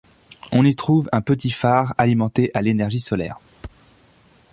On y trouve un petit phare alimenté à l'énergie solaire.